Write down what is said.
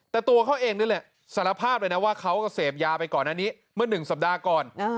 แต่ตัวเขาเองนี่แหละสารภาพเลยนะว่าเขาก็เสพยาไปก่อนอันนี้เมื่อ๑สัปดาห์ก่อน